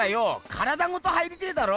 体ごと入りてえだろ。